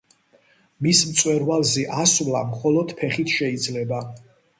მის მწვერვალზე ასვლა მხოლოდ ფეხით შეიძლება.